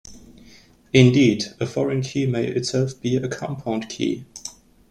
Indeed, a foreign key may itself be a compound key.